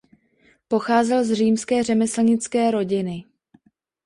Pocházel z římské řemeslnické rodiny.